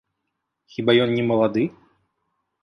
Хіба ён не малады?